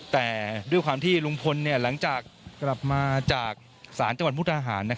แต่ด้วยความที่ลุงพลหลังจากกลับมาจากศาลจังหวัดมุทหาร